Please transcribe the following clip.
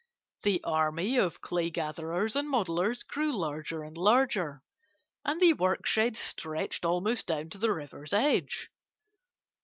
The army of clay gatherers and modellers grew larger and larger, and the work sheds stretched almost down to the river's edge.